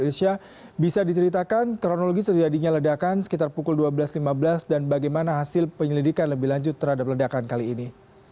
isya bisa diceritakan kronologi terjadinya ledakan sekitar pukul dua belas lima belas dan bagaimana hasil penyelidikan lebih lanjut terhadap ledakan kali ini